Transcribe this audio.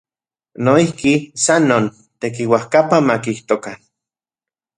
Noijki, san non, tekiuajkapa makijtokan.